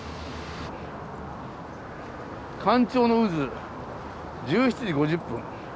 干潮の渦１７時５０分。